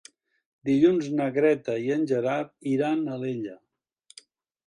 Dilluns na Greta i en Gerard iran a Alella.